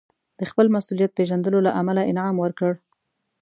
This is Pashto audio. د خپل مسوولیت پېژندلو له امله انعام ورکړ.